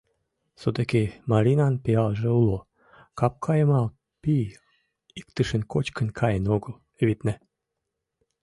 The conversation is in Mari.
Содыки Маринан пиалже уло, капкайымал пий иктыштын кочкын каен огыл, витне.